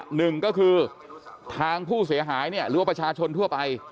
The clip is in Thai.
หนึ่งก็คือทางผู้เสียหายเนี่ยหรือว่าประชาชนทั่วไป